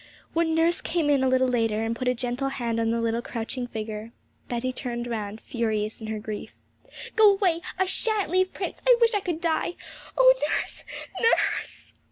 When nurse came in a little later, and put a gentle hand on the little crouching figure, Betty turned round, furious in her grief. 'Go away, I shan't leave Prince; I wish I could die! Oh, nurse, nurse!'